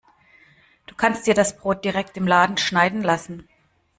Du kannst dir das Brot direkt im Laden schneiden lassen.